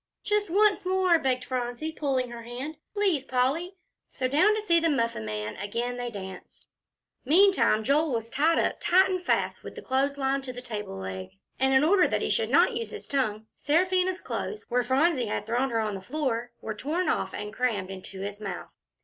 "Just once more," begged Phronsie, pulling her hand; "please, Polly." So down to see the Muffin Man again they danced. Meantime, Joel was tied up tight and fast with the clothes line to the table leg, and in order that he should not use his tongue, Seraphina's clothes, where Phronsie had thrown her on the floor, were torn off and crammed into his mouth.